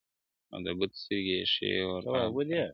• او د بت سترگي يې ښې ور اب پاشي کړې.